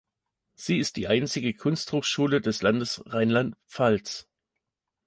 Sie ist die einzige Kunsthochschule des Landes Rheinland-Pfalz.